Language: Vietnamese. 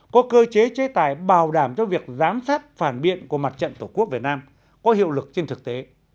có cơ chế chế tài bảo đảm cho việc giám sát phản biện của mặt trận tổ quốc việt nam có hiệu lực trên thực tế